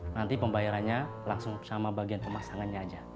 nanti pembayarannya langsung sama bagian pemasangannya aja